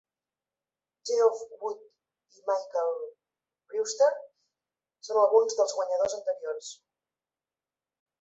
Geoff Wood i Michael Brewster són alguns dels guanyadors anteriors.